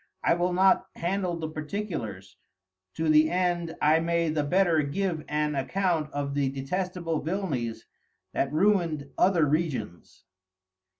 I will not handle the particulars, to the end I may the better give an Account of the detestable Villanies that ruin'd other Regions.